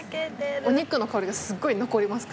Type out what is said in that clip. お肉の香りがすっごい残ります